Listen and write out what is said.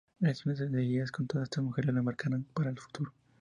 Las relaciones del guía con todas estas mujeres le marcarán para el futuro.